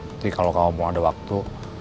tapi kalau kamu mau ada waktu